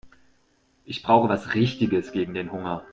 Ich brauche was Richtiges gegen den Hunger.